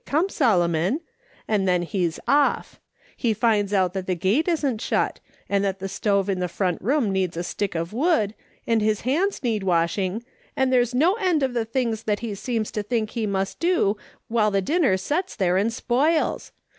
Come, Solomon ! and then he's off. He finds out that the gate isn't shut, and that the stove in the front room needs a stick of wood, and his hands need washing, and there's no end to the things that he seems to think he must do while the dinner sets there and spoils.